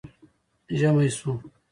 ژمی شو